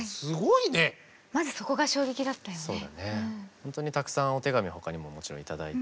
本当にたくさんお手紙他にももちろん頂いて。